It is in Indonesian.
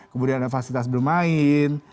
kemudian ada fasilitas bermain